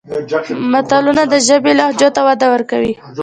متلونه د ژبې لهجو ته وده ورکوي